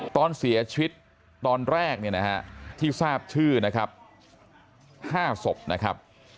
ตอนเสียชีวิตตอนแรกเนี่ยนะฮะที่ทราบชื่อนะครับ๕ศพนะครับ